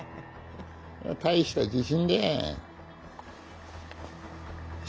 大した自信だ。